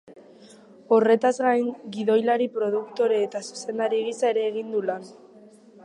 Horretaz gain, gidoilari, produktore eta zuzendari gisa ere egin du lan.